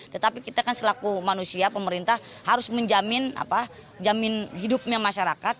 tetapi kita kan selaku manusia pemerintah harus menjamin jamin hidupnya masyarakat